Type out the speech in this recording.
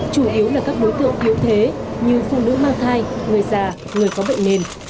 chủ yếu là các đối tượng yếu thế như phụ nữ mang thai người già người có bệnh nền